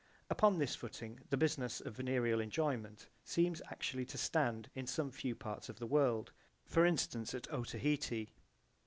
Upon this footing the business of venereal enjoyment seems actually to stand in some few parts of the world, for instance at Otaheite.